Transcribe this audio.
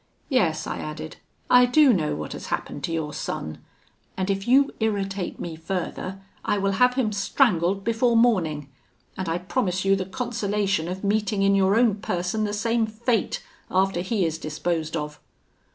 Yes,' I added, 'I do know what has happened to your son; and if you irritate me further, I will have him strangled before morning; and I promise you the consolation of meeting in your own person the same fate, after he is disposed of.'